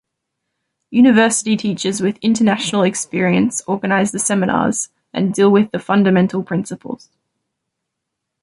University teachers with international experience organize the seminars and deal with the fundamental principles.